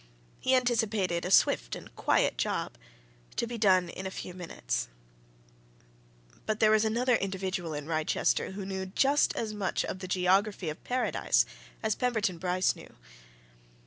He anticipated a swift and quiet job, to be done in a few minutes. But there was another individual in Wrychester who knew just as much of the geography of Paradise as Pemberton Bryce knew.